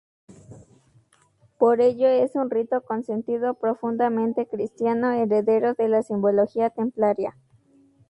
Por ello, es un rito con sentido profundamente cristiano, heredero de la simbología templaria.